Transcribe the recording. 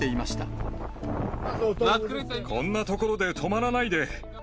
こんな所で止まらないで。